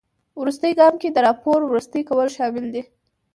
وروستي ګام کې د راپور وروستي کول شامل دي.